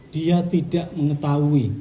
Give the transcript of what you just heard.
dia tidak mengetahui